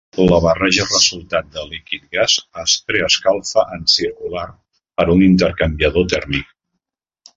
La barreja resultat de líquid-gas es preescalfa en circular per un intercanviador tèrmic.